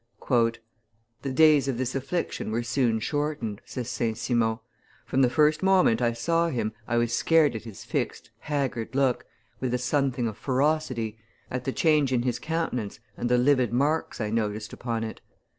'" "The days of this affliction were soon shortened," says St. Simon; "from the first moment I saw him, I was scared at his fixed, haggard look, with a something of ferocity, at the change in his countenance and the livid marks I noticed upon it.